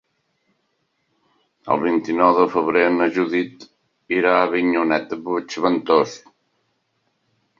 El vint-i-nou de febrer na Judit irà a Avinyonet de Puigventós.